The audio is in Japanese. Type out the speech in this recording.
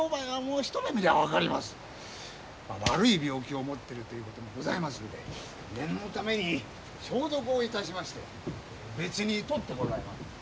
悪い病気を持ってるという事もございますので念のために消毒をいたしまして別にとってございます。